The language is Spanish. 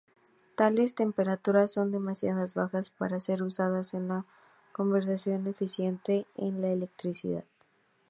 Tales temperaturas son demasiado bajas para ser usadas en la conversión eficiente en electricidad.